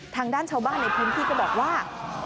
ทางด้านชาวบ้านในพื้นที่ก็บอกว่า